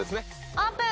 オープン！